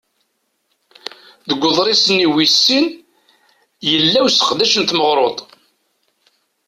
Deg uḍṛis-nni wis sin yella useqdec n tmeɣruḍt.